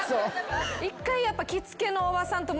一回やっぱ。